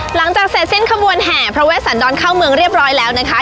หลังจากเสร็จสิ้นขบวนแห่พระเวสันดรเข้าเมืองเรียบร้อยแล้วนะคะ